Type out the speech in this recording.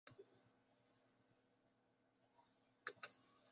De meast brave boarger kin ûnder beskate omstannichheden ta dit soart dingen ferfalle.